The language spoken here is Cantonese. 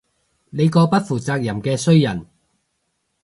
你個不負責任嘅衰人